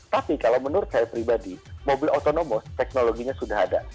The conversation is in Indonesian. tapi kalau menurut saya pribadi mobil autonomous teknologinya sudah ada